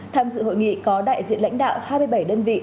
tham dự hội nghị có đại diện lãnh đạo hai mươi bảy đơn vị